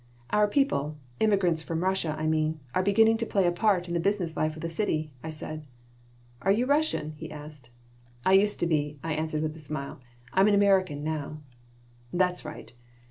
"Our people, immigrants from Russia, I mean, are beginning to play a part in the business life of the city," I said "Are you a Russian?" he asked "I used to be," I answered, with a smile. "I am an American now." "That's right."